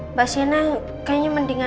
mbak sienna kayaknya mendingan aku